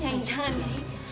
nyai jangan nyai